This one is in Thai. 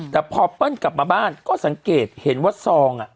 แต่พอเปิ้ลกลับมาบ้านก็สังเกตเห็นว่าซอง